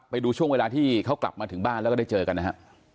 ไปดูช่วงเวลาที่เขากลับมาถึงบ้านแล้วก็ได้เจอกันนะฮะ